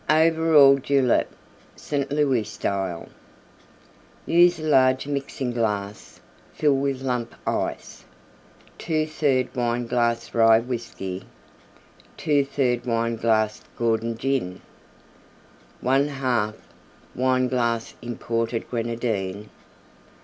OVERALL JULEP St. Louis Style Use a large Mixing glass; fill with Lump Ice. 2/3 Wineglass Rye Whiskey. 2/3 Wineglass Gordon Gin. 1/2 Wineglass Imported Grenadine.